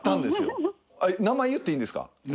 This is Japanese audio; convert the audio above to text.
これ言っていいですか？